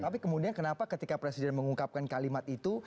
tapi kemudian kenapa ketika presiden mengungkapkan kalimat itu